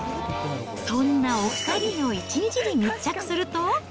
そんなお２人の一日に密着すると。